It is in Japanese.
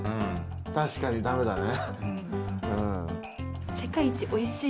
確かに駄目だね。